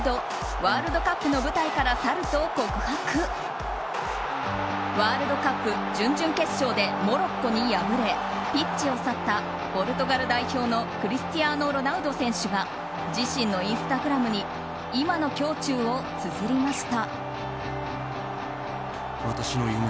ワールドカップ準々決勝でモロッコに敗れワールドカップ準々決勝でモロッコに敗れピッチを去ったポルトガル代表エースのクリスティアーノ・ロナウド選手が自身のインスタグラムに今の胸中をつづりました。